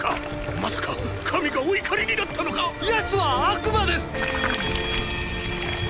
まさか神がお怒りになったのか⁉奴は悪魔です！！